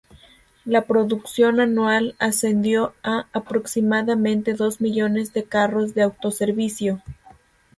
La producción anual ascendió a aproximadamente dos millones de carros de autoservicio.